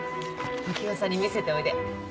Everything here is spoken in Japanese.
常葉さんに見せておいで。